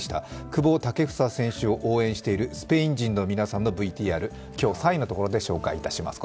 久保建英選手を応援しているスペイン人の皆さんのＶＴＲ、今日３位のところで紹介します。